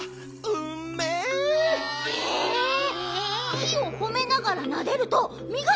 木をほめながらなでるとみがなるんだ！